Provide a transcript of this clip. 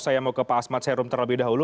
saya mau ke pak asmat serum terlebih dahulu